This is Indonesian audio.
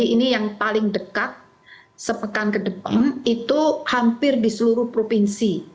ini yang paling dekat sepekan ke depan itu hampir di seluruh provinsi